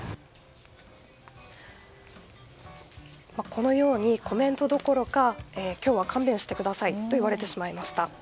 このようにコメントどころか今日は勘弁してくださいと言われてしまいました。